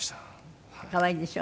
可愛いでしょ？